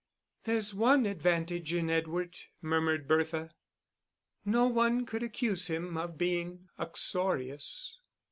"There's one advantage in Edward," murmured Bertha. "No one could accuse him of being uxorious."